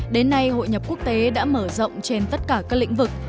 đến nay hội nhập quốc tế đã mở rộng trên tất cả các lĩnh vực